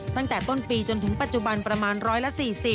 ตั้งแต่ต้นปีจนถึงปัจจุบันประมาณ๑๔๐